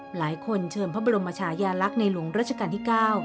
เชิญพระบรมชายาลักษณ์ในหลวงราชการที่๙